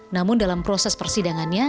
namun dalam proses persidangannya